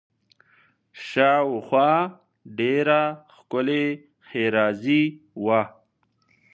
شاوخوا ډېره ښکلې ښېرازي وه.